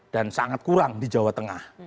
dan sangat kurang di jawa tengah